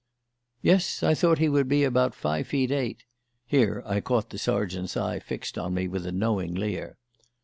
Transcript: "Yes, I thought he would be about five feet eight" (here I caught the sergeant's eyes fixed on me with a knowing leer).